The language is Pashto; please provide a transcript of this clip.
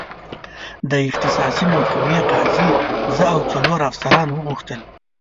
د اختصاصي محکمې قاضي زه او څلور افسران وغوښتل.